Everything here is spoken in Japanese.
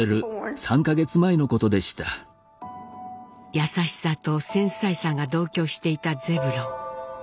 優しさと繊細さが同居していたゼブロン。